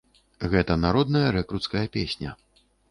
Гэта народная рэкруцкая песня.